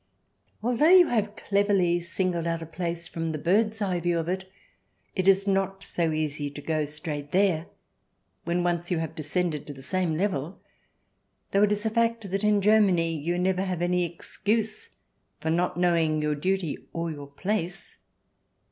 Although you have cleverly singled out a place from the bird's eye view of it, it is not so easy to go straight there when once you have descended to the same level — though it is a fact that in Germany you never have any excuse for not knowing your duty or your place.